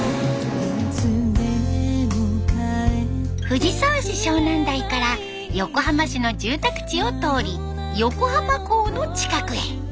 藤沢市湘南台から横浜市の住宅地を通り横浜港の近くへ。